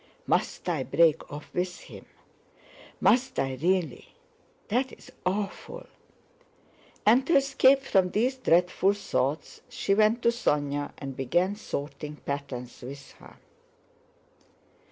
"Must I break off with him? Must I really? That's awful..." and to escape from these dreadful thoughts she went to Sónya and began sorting patterns with her.